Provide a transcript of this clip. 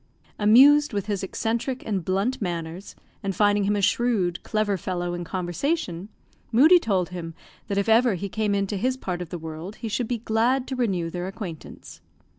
Amused with his eccentric and blunt manners, and finding him a shrewd, clever fellow in conversation, Moodie told him that if ever he came into his part of the world he should be glad to renew their acquaintance.